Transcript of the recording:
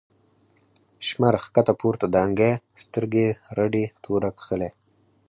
” شمر” ښکته پورته دانگی، سترگی رډی توره کښلی